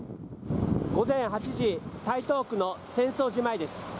午前８時、台東区の浅草寺前です。